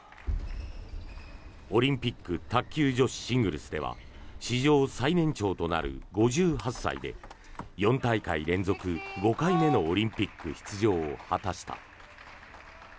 オリンピック卓球女子シングルスでは史上最年長となる５８歳で４大会連続５回目のオリンピック出場を果たした。